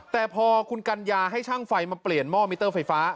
แต่พอคุณกัญญาให้ช่างไฟมาเปลี่ยนหม้อมิเตอร์ไฟฟ้า